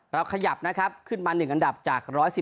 ขยับนะครับขึ้นมา๑อันดับจาก๑๑๒